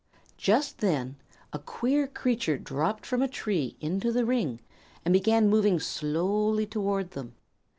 Just then a queer creature dropped from a tree into the ring and began moving slowly toward them.